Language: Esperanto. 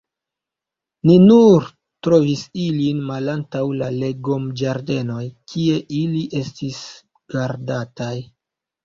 Ni nur trovis ilin malantaŭ la legomĝardenoj, kie ili estis gardataj.